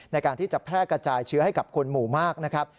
ในการที่จะแพร่กระจายเชื้อให้กับคนหมู่มากนะครับ